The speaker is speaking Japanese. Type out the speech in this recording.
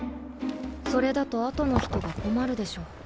それだと後の人が困るでしょ。